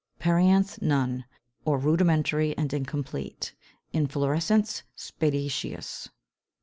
Perianth none, or rudimentary and incomplete: inflorescence spadiceous.